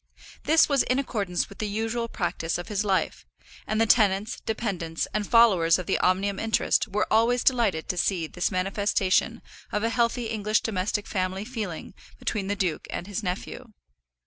This was in accordance with the usual practice of his life, and the tenants, dependants, and followers of the Omnium interest were always delighted to see this manifestation of a healthy English domestic family feeling between the duke and his nephew.